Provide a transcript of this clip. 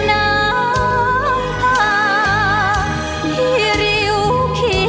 โปรดติดตามตอนต่อไป